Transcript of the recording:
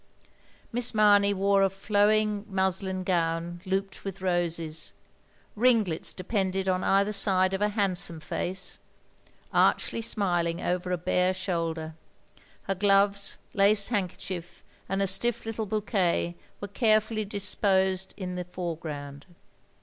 Miss Mamey wore a flowing muslin gown looped with roses, ringlets depended on either side of a handsome face, archly smiling over a bare shoulder; her gloves, lace handkerchief, and a stiff little bouquet were carefully disposed in the foreground.